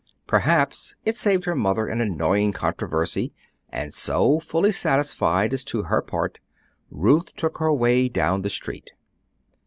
Besides, it saved her mother an annoying controversy; and so, fully satisfied as to her part, Ruth took her way down the street.